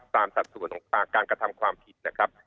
สัดส่วนของการกระทำความผิดนะครับ